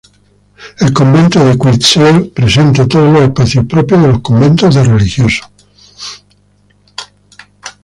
El convento de Cuitzeo presenta todos los espacios propios de los conventos de religiosos.